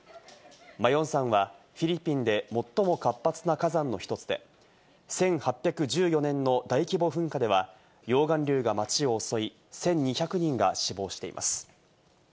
マヨン山はフィリピンで最も活発な火山の１つで、１８１４年の大規模噴火では溶岩流が町を襲い、１２００人が死亡しています。